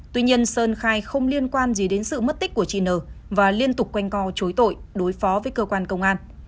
tuy nhiên sơn khai không liên quan gì đến sự mất tích của chị n và liên tục quanh co chối tội đối phó với cơ quan công an